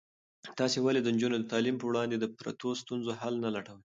تاسې ولې د نجونو د تعلیم په وړاندې د پرتو ستونزو حل نه لټوئ؟